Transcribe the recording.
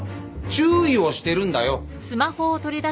注意をしてるんだよ！